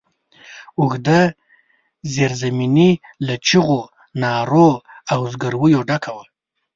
اوږده زېرزميني له چيغو، نارو او زګرويو ډکه وه.